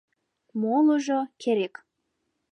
Молыжо — керек!